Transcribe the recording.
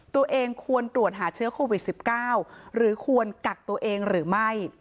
ตัวเองควรตรวจหาเชื้อโควิด๑๙หรือควรกักตัวเองหรือไม่